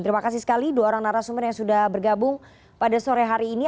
terima kasih sekali dua orang narasumber yang sudah bergabung pada sore hari ini